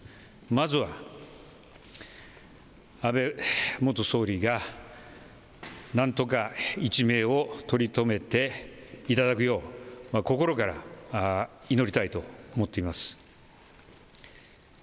まずは、安倍元総理が何とか一命をとりとめていただくよう心から祈りたいと思っています。